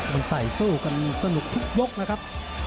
มันใส่สู้กันสนุกทุกยกนะครับ